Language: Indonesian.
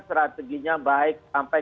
strateginya baik sampai